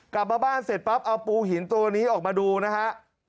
กลับมาบ้านเสร็จปั๊บเอาปูหินตัวนี้ออกมาดูนะฮะ